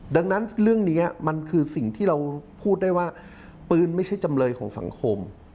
ดังนั้นเรื่องนี้มันคือสิ่งที่เราพูดได้ว่าปืนไม่ใช่จำเลยของสังคม